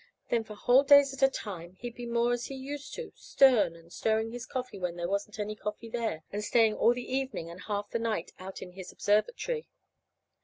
Then for whole days at a time he'd be more as he used to stern, and stirring his coffee when there isn't any coffee there; and staying all the evening and half the night out in his observatory.